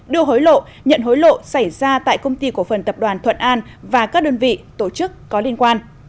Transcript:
đưa hối lộ nhận hối lộ xảy ra tại công ty cổ phần tập đoàn thuận an và các đơn vị tổ chức có liên quan